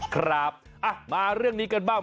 ครับมาเรื่องนี้กันบ้าง